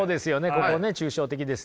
ここね抽象的ですね。